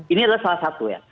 ini adalah salah satu ya